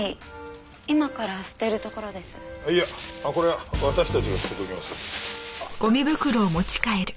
いやこれは私たちが捨てておきます。